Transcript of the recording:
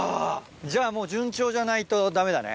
じゃあもう順調じゃないとダメだね。